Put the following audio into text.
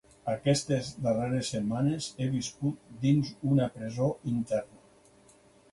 Aquestes darreres setmanes he viscut dins d’una presó interna.